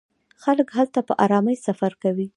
خلک هلته په ارامۍ سفر کوي.